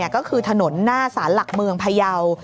ก็คือถนนหน้าสารหลักเมืองพยาว